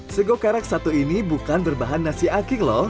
sego karak satu ini bukan berbahan nasi aking loh